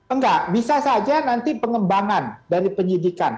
enggak bisa saja nanti pengembangan dari penyidikan